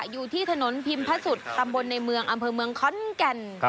อยู่ที่ถนนพิมพระสุทธิ์ตำบลในเมืองอำเภอเมืองขอนแก่น